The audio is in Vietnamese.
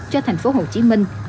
cho thành phố hồ chí minh